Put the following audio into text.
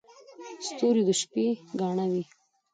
• ستوري د شپې ګاڼه وي.